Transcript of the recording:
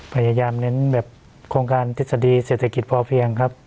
พยายามเน้นแบบโครงการทฤษฎีเศรษฐกิจพอเพียงครับ